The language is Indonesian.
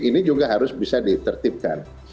ini juga harus bisa ditertibkan